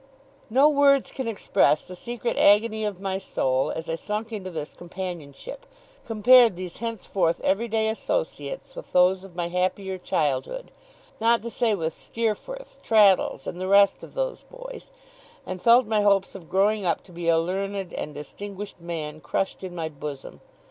No words can express the secret agony of my soul as I sunk into this companionship; compared these henceforth everyday associates with those of my happier childhood not to say with Steerforth, Traddles, and the rest of those boys; and felt my hopes of growing up to be a learned and distinguished man, crushed in my bosom.